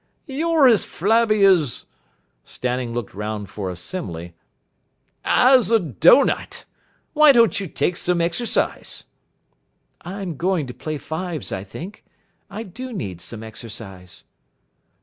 "You're as flabby as " Stanning looked round for a simile, "as a dough nut. Why don't you take some exercise?" "I'm going to play fives, I think. I do need some exercise."